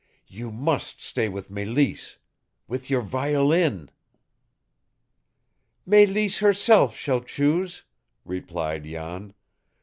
You must stay with Mélisse WITH YOUR VIOLIN!" "Mélisse herself shall choose," replied Jan.